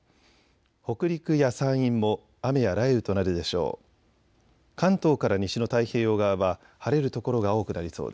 北陸や山陰も雨や雷雨となるでしょう。